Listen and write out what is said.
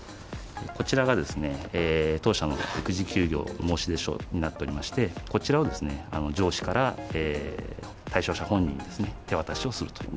こちらが当社の育児休業申出書になっておりまして、こちらを上司から、対象者本人ですね、手渡しをすると。